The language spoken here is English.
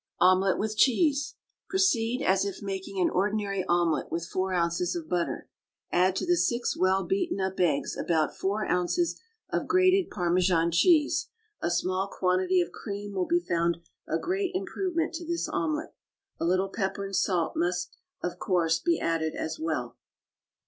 OMELET WITH CHEESE. Proceed as if making an ordinary omelet, with four ounces of butter. Add to the six well beaten up eggs about four ounces of grated Parmesan cheese; a small quantity of cream will be found a great improvement to this omelet. A little pepper and salt must, of course, be added as well.